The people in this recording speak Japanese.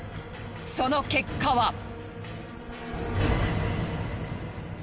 その結果は。